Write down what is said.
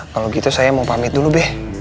kalau gitu saya mau pamit dulu deh